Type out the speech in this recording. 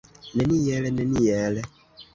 Neniel, neniel!